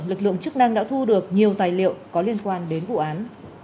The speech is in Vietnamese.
lực lượng chức năng đã thu được nhiều tài liệu có liên quan đến vụ án